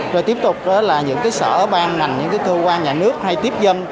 rồi tiếp tục là những cái sở ban ngành những cái cơ quan nhà nước hay tiếp dân